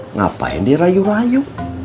ngapain dia rayu rayu